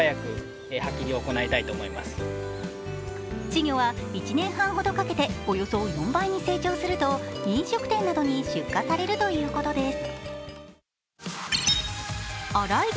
稚魚は１年半ほどかけておよそ４倍に成長すると飲食店などに出荷されるということです。